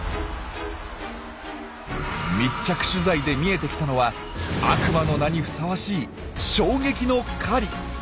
密着取材で見えてきたのは「悪魔」の名にふさわしい衝撃の狩り。